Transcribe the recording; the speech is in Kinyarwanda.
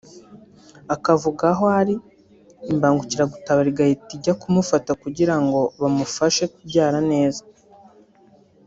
akavuga aho ari Imbangukiragutabara igahita ijya kumufata kugira ngo bamufashe kubyara neza